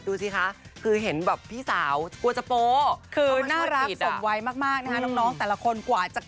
ดูสิคะ